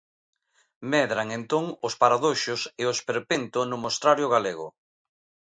Medran entón os paradoxos e o esperpento no mostrario galego.